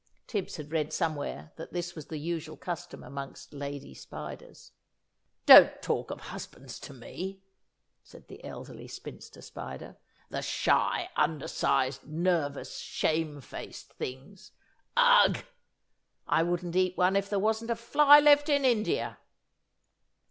(Tibbs had read somewhere that this was the usual custom amongst lady Spiders.) "Don't talk of husbands to me!" said the Elderly Spinster Spider, "the shy, undersized, nervous, shamefaced things! Ugh! I wouldn't eat one if there wasn't a fly left in India!"